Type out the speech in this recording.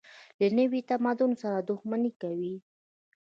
له نوي تمدن سره دښمني کوي.